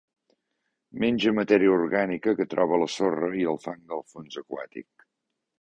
Menja matèria orgànica que troba a la sorra i el fang del fons aquàtic.